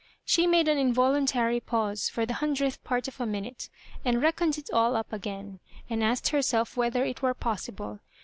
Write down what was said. She made an involuntary pause for the hundredth part of a minute, and reckoned it all up again, and asked herself whether it were pos sible.